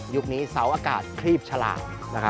ยุคนี้เสาอากาศคลีบฉลาด